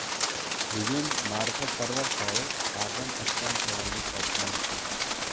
Bugun – ma’rifatparvar shoir A’zam O‘ktam tavallud topgan kun